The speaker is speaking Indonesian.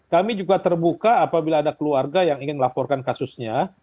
kami juga terbuka apabila ada keluarga yang ingin melaporkan kasusnya